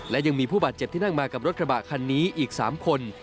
และยังมีผู้บาดเจ็บที่นั่งมากับรถกระบะคันนี้อีก๓คน